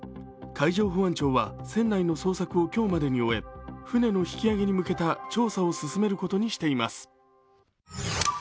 海上保安庁は船内の捜索を今日までに終え船の引き揚げに向けた調査を進めることにしています。